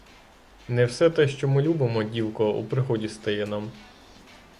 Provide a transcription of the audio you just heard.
Не все те, що ми любимо, дівко, у пригоді стає нам.